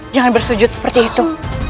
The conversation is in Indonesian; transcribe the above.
jangan bersujud seperti itu